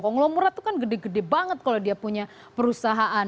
konglomerat itu kan gede gede banget kalau dia punya perusahaan